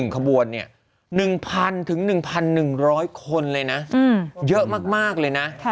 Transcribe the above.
ขบวน๑๐๐๑๑๐๐คนเลยนะเยอะมากเลยนะ